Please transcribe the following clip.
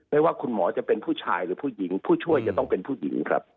ว่าคุณหมอจะเป็นผู้ชายหรือผู้หญิงผู้ช่วยจะต้องเป็นผู้หญิงครับ